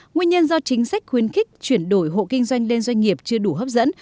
nguyên nhân do chính sách khuyến khích chuyển đổi hộ kinh doanh lên doanh nghiệp chưa đủ hấp dẫn